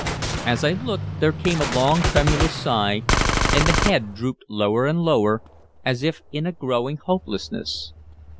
As I looked, there came a long tremulous sigh, and the head drooped lower and lower, as if in a growing hopelessness.